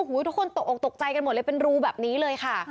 ทุกคนโตรกใจกันหมดเลยเป็นรูแบบนี้เลย